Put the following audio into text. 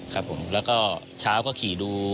ครับผมแล้วก็เช้าก็ขี่ดู